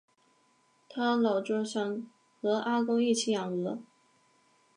她老著想和阿公一起养鹅